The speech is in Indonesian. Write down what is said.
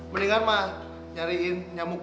mendingan mah nyariin nyamuk